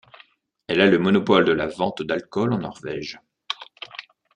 Elle a le monopole de la vente d'alcool en Norvège.